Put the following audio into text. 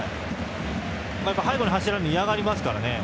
背後に走られるのは嫌がりますからね。